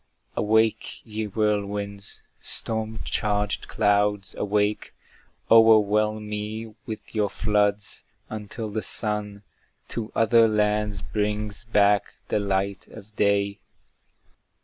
Awake, ye whirlwinds! storm charged clouds, awake, O'erwhelm me with your floods, until the sun To other lands brings back the light of day!